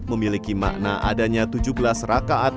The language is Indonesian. memiliki makna adanya tujuh belas rakaat